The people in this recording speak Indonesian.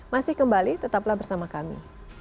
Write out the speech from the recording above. masih kembali tetaplah bersama kami